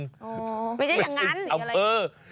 ไม่ใช่อย่างนั้น